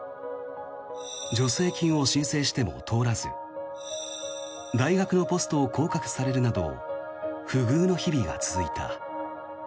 助成金を申請しても通らず大学のポストを降格されるなど不遇の日々が続いた。